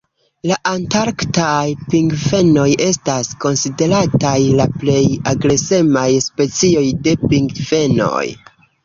La Antarktaj pingvenoj estas konsiderataj la plej agresemaj specioj de pingvenoj.